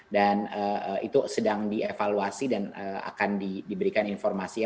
dan itu sedang dievaluasi dan akan diberikan informasi ya